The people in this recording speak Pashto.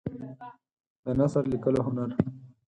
د نثر لیکلو هنر